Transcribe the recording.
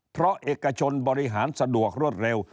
เพราะเอกชนบริหารสะดวกรวดเร็ว